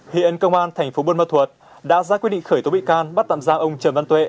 hiện công an thành phố buôn mật thuột đã ra quyết định khởi tố bị can bắt tạm giam ông trần văn tuệ